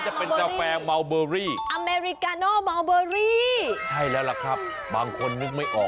จะเป็นกาแฟเมาเบอรี่อเมริกาโนเมาเบอรี่ใช่แล้วล่ะครับบางคนนึกไม่ออก